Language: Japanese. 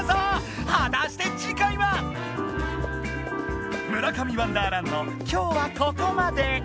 はたして次回は⁉「村上ワンダーランド」今日はここまで！